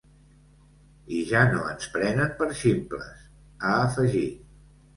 I ja no ens prenen per ximples, ha afegit.